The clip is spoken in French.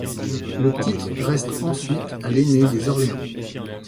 Le titre reste ensuite à l'aîné des Orléans.